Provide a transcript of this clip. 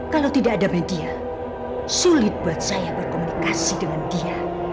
kalau tidak ada media sulit buat saya berkomunikasi dengan dia